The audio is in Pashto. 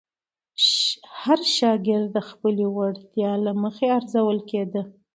هر شاګرد د خپلې وړتیا له مخې ارزول کېده.